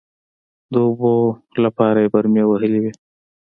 د اوبو لپاره يې برمې وهلې وې.